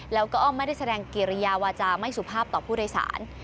แล้วก็อ้อมไม่ได้แสดงกิริยาวาจาไม่สุภาพต่อผู้โดยสาร